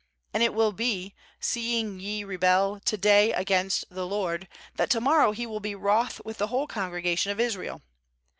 and it will be, seeing ye rebel to day against the LORD, that to morrow He will be wroth with the whole congregation of Israel.